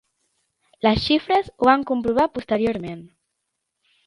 Les xifres ho van comprovar posteriorment.